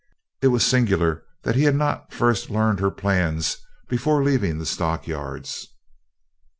It was singular that he had not first learned her plans before leaving the stockyards.